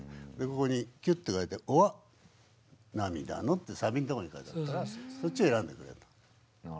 ここにキュッて書いて「ｏｒ涙の」ってサビんとこに書いてたからそっちを選んでくれたの。